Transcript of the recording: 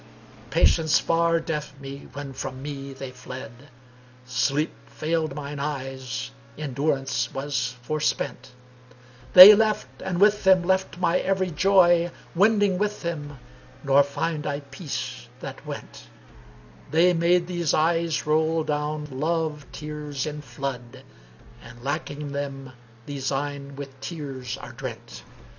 Patience far deaf me when from me they fled; * Sleep failed mine eyes, endurance was forspent: They left and with them left my every joy, * Wending with them, nor find I peace that went: They made these eyes roll down love tears in flood, * And lacking them these eyne with tears are drent.